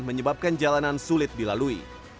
menyebabkan jalanan sulit dilalui